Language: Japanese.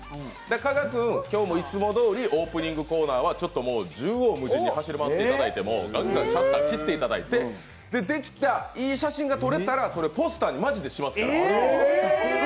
加賀君、今日もいつもどおりオープニングコーナーはちょっと縦横無尽に走り回ってもらってガンガンシャッター切っていただいて、できた、いい写真が撮れたらそれをポスターにマジでしますから。